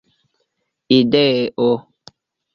ideo